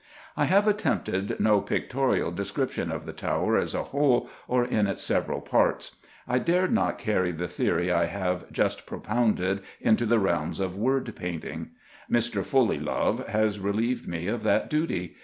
I have attempted no pictorial description of the Tower as a whole or in its several parts. I dared not carry the theory I have just propounded into the realms of word painting. Mr. Fulleylove has relieved me of that duty.